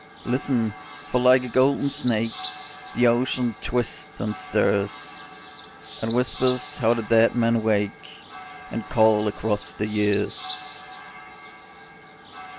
Listen, for like a golden snake The Ocean twists and stirs, And whispers how the dead men wake And call across the years.